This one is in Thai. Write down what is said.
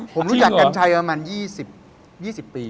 ผมรู้จักกัญชัยประมาณ๒๐๒๐ปี